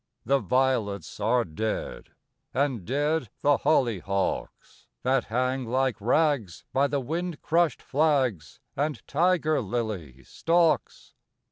The violets are dead, And dead the hollyhocks, That hang like rags by the wind crushed flags And tiger lily stocks.